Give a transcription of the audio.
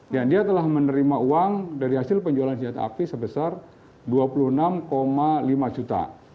dan dia telah menerima uang dari hasil penjualan senjata api sebesar dua puluh enam lima juta